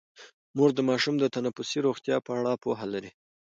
مور د ماشومانو د تنفسي روغتیا په اړه پوهه لري.